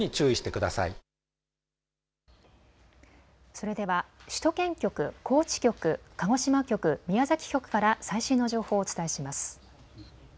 それでは首都圏局、高知局、鹿児島局、宮崎局から最新の情報をお伝えします。